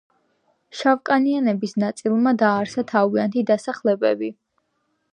შავკანიანების ნაწილმა დააარსა თავიანთი დასახლებები.